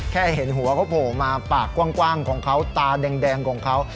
แค่เห็นหัวเขาโผล่มาปากกว้างของเขาตาแดงของเขา